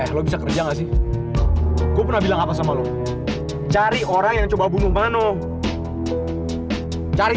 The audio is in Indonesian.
where lo bisa kerja ngasih pun challenges hai cari orang yang coba bunuh mana cari